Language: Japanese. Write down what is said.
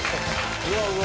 うわうわ！